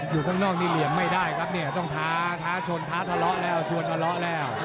อยู่ข้างนอกนี่เหลี่ยมไม่ได้ครับเนี่ยต้องท้าท้าชนท้าทะเลาะแล้วชวนทะเลาะแล้ว